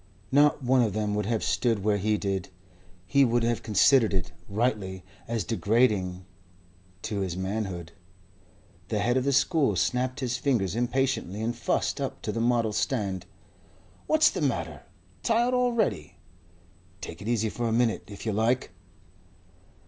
Not one of them would have stood where he did. He would have considered it rightly as degrading to his manhood. The head of the school snapped his fingers impatiently and fussed up to the model stand. "What's the matter? Tired already? Take it easy for a minute, if you like."